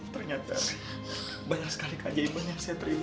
ternyata banyak sekali keajaiban yang saya terima